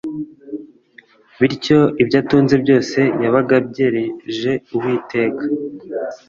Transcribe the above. bityo ibyo atunze byose yabaga abyereje Uwiteka,